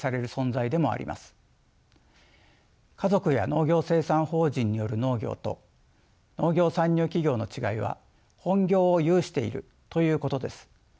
家族や農業生産法人による農業と農業参入企業の違いは本業を有しているということです。